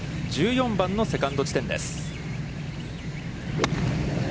１４番のセカンド地点です。